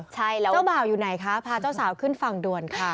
ใช่แล้วเจ้าบ่าวอยู่ไหนคะพาเจ้าสาวขึ้นฝั่งด่วนค่ะ